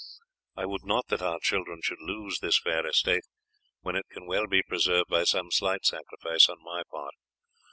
I would not that our children should lose this fair estate when it can well be preserved by some slight sacrifice on my part.